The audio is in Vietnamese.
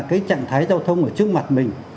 cái trạng thái giao thông ở trước mặt mình